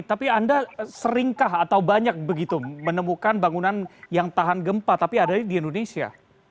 tapi anda seringkah atau banyak begitu menemukan bangunan yang tahan gempa tapi ada di indonesia